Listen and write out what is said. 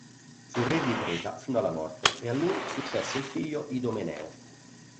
Fu re di Creta fino alla morte e a lui successe il figlio Idomeneo.